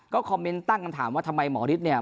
คอมเมนต์ตั้งคำถามว่าทำไมหมอฤทธิ์เนี่ย